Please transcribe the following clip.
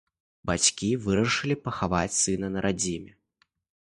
Бацькі вырашылі пахаваць сына на радзіме.